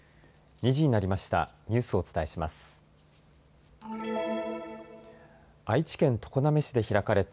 ２時になりました。